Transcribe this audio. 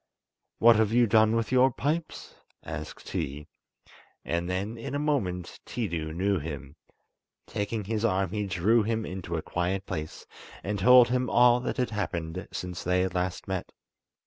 "What have you done with your pipes?" asked he; and then in a moment Tiidu knew him. Taking his arm he drew him into a quiet place and told him all that had happened since they had last met.